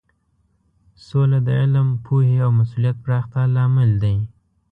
سوله د علم، پوهې او مسولیت پراختیا لامل دی.